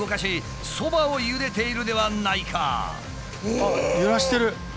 あっ揺らしてる。